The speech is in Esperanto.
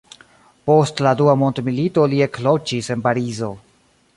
Post la dua mondmilito li ekloĝis en Parizo.